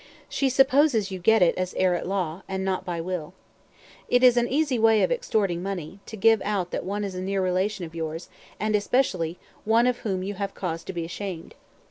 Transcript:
She supposes you get it as heir at law, and not by will. It is an easy way of extorting money, to give out that one is a near relation of yours, and especially one of whom you have cause to be ashamed.